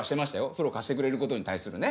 風呂貸してくれることに対するね。